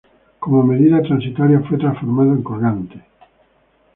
Como medida transitoria fue transformado en colgante.